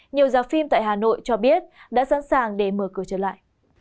nhiều giáo phim tại hà nội cho biết đã sẵn sàng để mở cửa trở lại